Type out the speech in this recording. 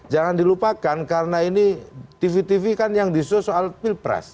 jangan dilupakan karena ini tv tv kan yang disuruh soal pilpres